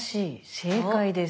正解です。